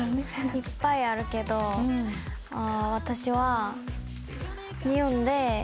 いっぱいあるけど私は日本で。